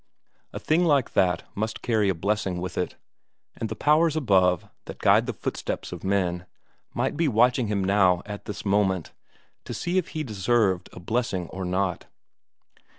A thing like that must carry a blessing with it. And the powers above, that guide the footsteps of men, might be watching him now at this moment, to see if he deserved a blessing or not.